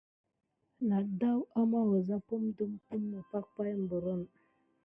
Na ədaw ama wəza aza pum dupummo pake pay mbrən.